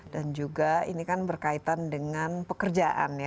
dan juga ini kan berkaitan dengan pekerjaan ya